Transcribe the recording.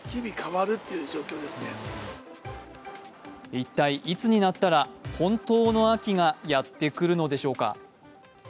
一体いつになったら本当の秋がやってくるのでしょうか。